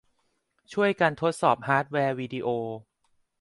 ช่วยกันทดสอบฮาร์ดแวร์วีดิโอ